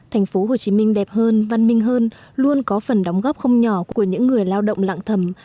thành phố hồ chí minh đẹp hơn văn minh hơn luôn có phần đóng góp không nhỏ của những người lao động lạng thầm